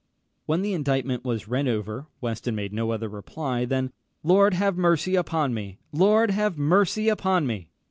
] When the indictment was read over, Weston made no other reply than "Lord have mercy upon me! Lord have mercy upon me!"